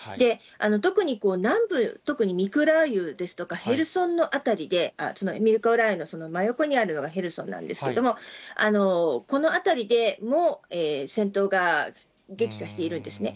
特に南部、特にミコライウですとか、ヘルソンの辺りで、ミコライウの真横にあるのがヘルソンなんですけれども、この辺りでも戦闘が激化しているんですね。